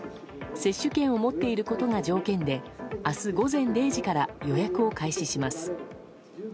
接種券を持っていることが条件で明日午前０時から予約を開始します。